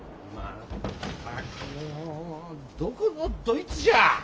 全くもうどこのどいつじゃ！